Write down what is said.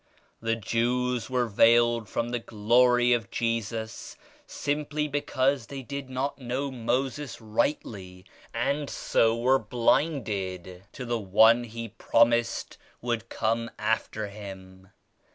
The Jews were veiled from the Glory of Jesus simply because they did not know Moses rightly and so were blinded to the one He promised would come after Him.